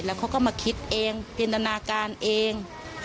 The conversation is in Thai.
แล้วเขาก็มาคิดเองเปลี่ยนตนาการเอง